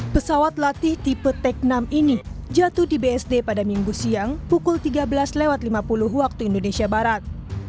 pesawat latih tipe tech enam ini jatuh di bsd pada minggu siang pukul tiga belas lima puluh waktu indonesia barat